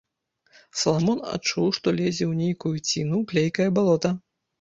Саламон адчуў, што лезе ў нейкую ціну, у клейкае балота.